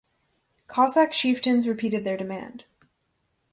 Cossack chieftains repeated their demand.